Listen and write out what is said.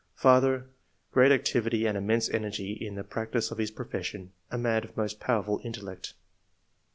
" Father — Great activity and immense energy in the practice of his profession. A man of most powerful intellect."